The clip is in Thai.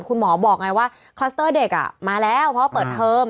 คุณหมอบอกไงว่าคลัสเตอร์เด็กมาแล้วเพราะเปิดเทอม